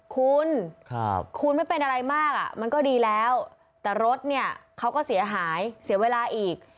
คุณคุณไม่เป็นอะไรมากมันก็ดีแล้วแต่รถเนี่ยเขาก็เสียหายเสียเวลาอีก